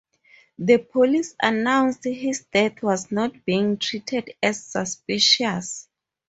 The police announced his death was not being treated as suspicious.